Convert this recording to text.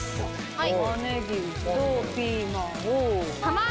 はい。